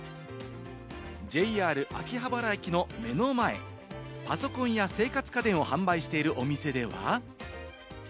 ＪＲ秋葉原駅の目の前、パソコンや生活家電を販売しているお店では。